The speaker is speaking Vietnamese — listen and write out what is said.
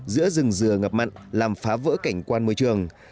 giữa rừng dừa ngập mặn làm phá vỡ cảnh quan môi trường